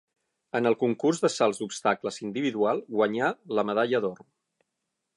En el concurs de salts d'obstacles individual guanyà la medalla d'or.